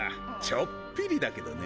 ちょっぴりだけどね。